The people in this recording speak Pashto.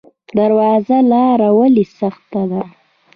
درواز لاره ولې سخته ده؟